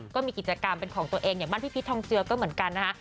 ก็มีกิจกรรมเป็นของตัวเองอย่างบ้านพี่พีชทองเจือก็เหมือนกันนะคะ